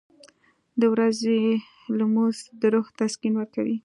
• د ورځې لمونځ د روح تسکین ورکوي.